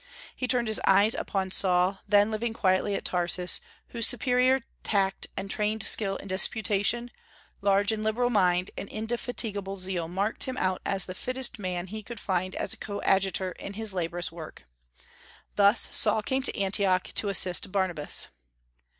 He turned his eyes upon Saul, then living quietly at Tarsus, whose superior tact and trained skill in disputation, large and liberal mind, and indefatigable zeal marked him out as the fittest man he could find as a coadjutor in his laborious work. Thus Saul came to Antioch to assist Barnabas.